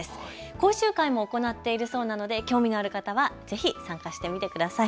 講習会も行っているそうなので興味のある方はぜひ参加してみてください。